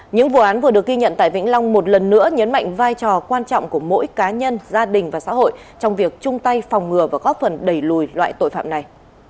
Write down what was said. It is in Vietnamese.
những vụ án vừa được ghi nhận tại vĩnh long một lần nữa nhấn mạnh vai trò quan trọng của mỗi cá nhân gia đình và xã hội trong việc chung tay phòng ngừa và góp phần đẩy lùi loại tội phạm này